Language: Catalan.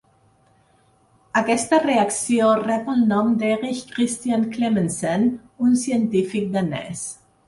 Aquesta reacció rep el nom d'Erik Christian Clemmensen, un científic danès.